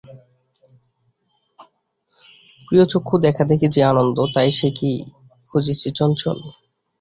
প্রিয়চক্ষু-দেখাদেখি যে আনন্দ তাই সে কি খুঁজিছে চঞ্চল?